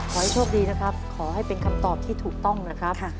ขอให้โชคดีนะครับขอให้เป็นคำตอบที่ถูกต้องนะครับ